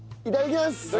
いただきます。